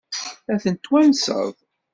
Ad ten-twanseḍ?